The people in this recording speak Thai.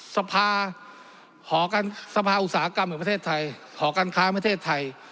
สภาหอการสภาอุตสาหกรรมแห่งประเทศไทยหอการค้าประเทศไทย